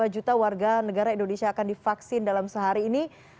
dua puluh juta warga negara indonesia akan divaksin dalam sehari ini